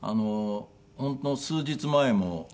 ほんの数日前も。